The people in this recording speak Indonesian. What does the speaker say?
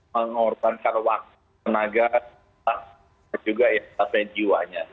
mengorbankan wang tenaga dan juga ya tapi jiwanya